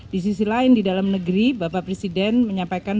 di sisi lain di dalam negeri bapak presiden menyampaikan